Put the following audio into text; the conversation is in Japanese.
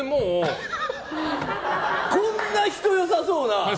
こんな人、良さそうな。